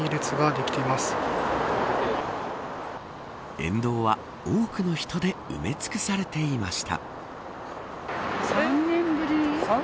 沿道は多くの人で埋め尽くされていました。